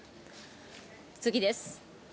次です。